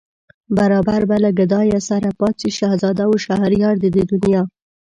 برابر به له گدايه سره پاڅي شهزاده و شهريار د دې دنیا